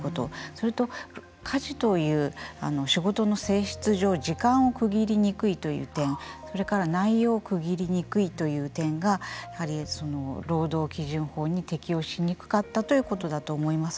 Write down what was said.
それと、家事という仕事の性質上時間を区切りにくいという点それから内容を区切りにくいという点がやはり労働基準法に適用しにくかったということだと思います。